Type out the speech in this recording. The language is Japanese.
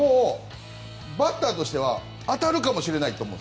バッターとしては当たるかもしれないと思う。